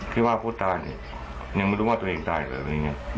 คิดว่าผู้ตายยังไม่รู้ว่าตัวเองตายหรือเป็นยังไง